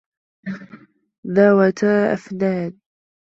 ذَواتا أَفنانٍ